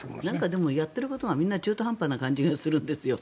でもやっていることが中途半端な感じがするんですよ。